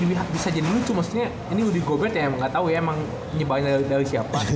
ini bisa jadi lucu maksudnya ini udah gobert ya emang gak tau ya emang nyebarin dari siapa